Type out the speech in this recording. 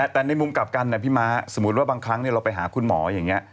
แต่ในมุมกลับกันนะพี่ม้าสมมุติว่าบางครั้งเราไปหาคุณหมออย่างนี้